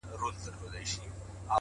ځكه ځوانان ورانوي ځكه يې زړگي ورانوي؛